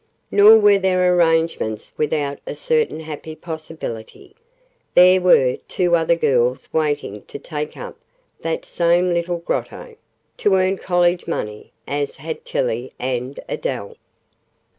Nor were the arrangements without a certain happy possibility there were two other girls waiting to take up that same little Grotto to earn college money, as had Tillie and Adele.